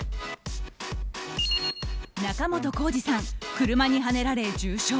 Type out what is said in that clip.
仲本工事さん、車にはねられ重傷。